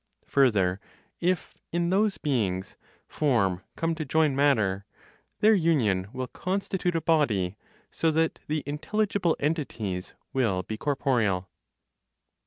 Further, if (in those beings) form come to join matter, their union will constitute a body, so that the intelligible (entities) will be corporeal.